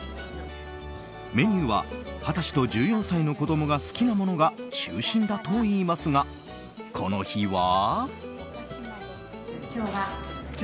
メニューは２０歳と１４歳の子供が好きなものが中心だといいますがこの日は？